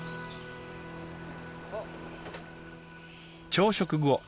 朝食後。